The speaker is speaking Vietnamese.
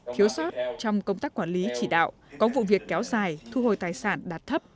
thiếu sót trong công tác quản lý chỉ đạo có vụ việc kéo dài thu hồi tài sản đạt thấp